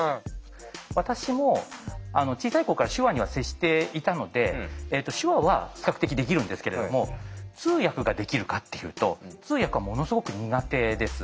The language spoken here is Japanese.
私も小さい頃から手話には接していたので手話は比較的できるんですけれども通訳ができるかっていうと通訳はものすごく苦手です。